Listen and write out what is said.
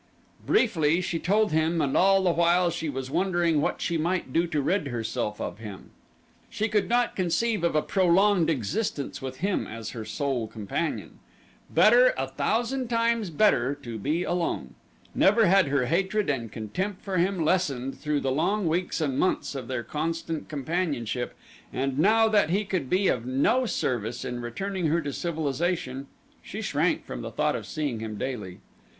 Briefly she told him and all the while she was wondering what she might do to rid herself of him. She could not conceive of a prolonged existence with him as her sole companion. Better, a thousand times better, to be alone. Never had her hatred and contempt for him lessened through the long weeks and months of their constant companionship, and now that he could be of no service in returning her to civilization, she shrank from the thought of seeing him daily.